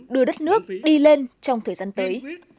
đưa đất nước đi lên trong thời gian tới